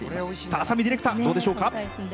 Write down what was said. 浅見ディレクターどうでしょうか。